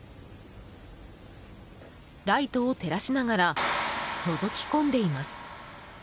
ライトを照らしながらのぞき込んでいます。